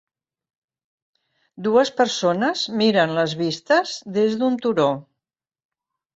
Dues persones miren les vistes des d'un turó